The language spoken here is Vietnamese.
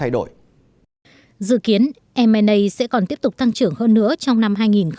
dự kiến m a sẽ còn tiếp tục thăng trưởng hơn nữa trong năm hai nghìn một mươi chín